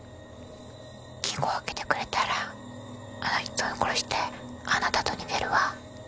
金庫開けてくれたらあの人を殺してあなたと逃げるわ。